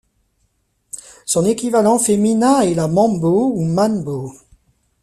Son équivalent féminin est la mambo ou manbo.